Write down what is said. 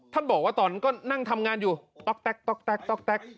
ท่านบอกว่าตอนนั้นก็นั่งทำงานอยู่ต๊อกแต๊กต๊อกแต๊กต๊อกแต๊ก